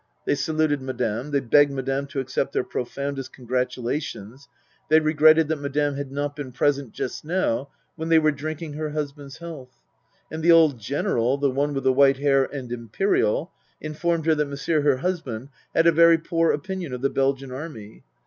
They saluted Madame ; they begged Madame to accept their profoundest con gratulations ; they regretted that Madame had not been present just now when they were drinking her husband's health. And the old General (the one with the white hair and imperial) informed her that Monsieur her husband had a very poor opinion of the Belgian Army.